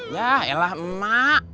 yah ya lah emak